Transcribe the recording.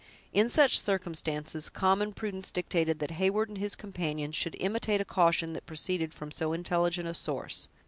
In such circumstances, common prudence dictated that Heyward and his companions should imitate a caution that proceeded from so intelligent a source.